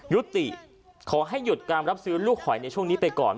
ยุติขอให้หยุดการรับซื้อลูกหอยในช่วงนี้ไปก่อน